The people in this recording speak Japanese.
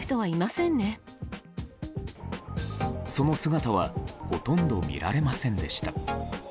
その姿はほとんど見られませんでした。